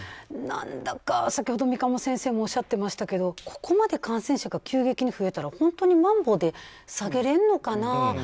何だか先ほど三鴨先生もおっしゃっていましたがここまで感染者が急激に増えたら本当にまん防で下げられるのかなと。